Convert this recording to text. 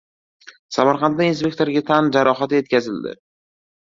Samarqandda inspektorga tan jarohati yetkazildi